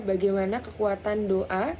bagaimana kekuatan doa